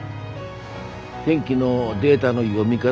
天気のデータの読み方